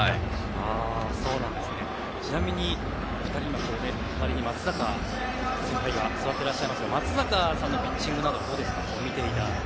ちなみに、お二人は松坂先輩が座っていますが松坂さんのピッチングなどどうですか？